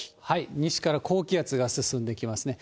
西から高気圧が進んできますね。